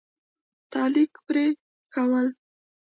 تعلق پرې كول